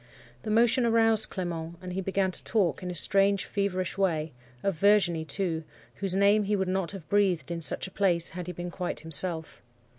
The motion aroused Clement, and he began to talk in a strange, feverish way, of Virginie, too,—whose name he would not have breathed in such a place had he been quite himself.